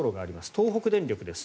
東北電力です。